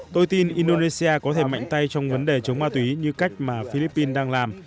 tôi tin indonesia có thể mạnh tay trong vấn đề chống ma túy như cách mà philippines đang làm